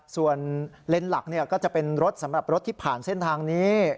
ส่วนเลนส์หลักก็จะเป็นรถสำหรับรถที่ผ่านเส้นทางนี้